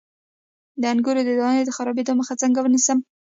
د انګورو د دانې د خرابیدو مخه څنګه ونیسم؟